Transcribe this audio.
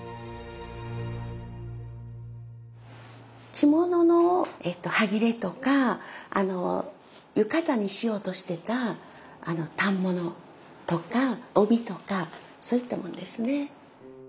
着物のハギレとか浴衣にしようとしてた反物とか帯とかそういったものですね。